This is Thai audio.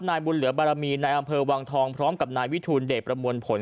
นายบุญเหลือบารมีนายอำเภอวังทองพร้อมกับนายวิทูลเดชประมวลผล